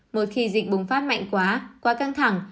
mỗi khi dịch bùng phát mạnh quá quá căng thẳng